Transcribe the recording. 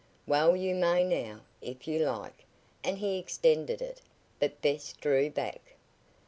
"Well, you may now, if you like," and he extended it, but Bess drew back.